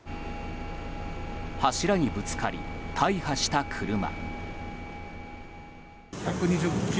柱にぶつかり、大破した車。